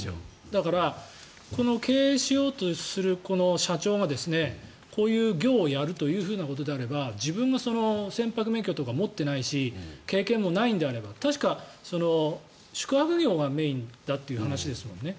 だから、この経営しようとするこの社長がこういう業をやるというふうなことであれば自分が船舶免許とか持っていないし経験もないのであれば確か、宿泊業がメインだという話ですもんね。